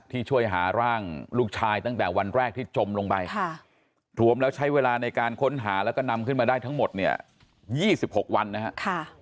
ช่วยหาร่างลูกชายตั้งแต่วันแรกที่จมลงไปรวมแล้วใช้เวลาในการค้นหาแล้วก็นำขึ้นมาได้ทั้งหมดเนี่ย๒๖วันนะครับ